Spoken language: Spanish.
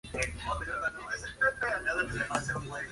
Tras oír esto, el Gran Pitufo la manda arrestar y la somete a juicio.